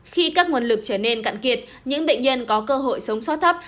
khi các nguồn lực trở nên cạn kiệt những bệnh nhân có cơ hội sống so tấp